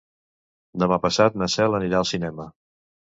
Demà passat na Cel anirà al cinema.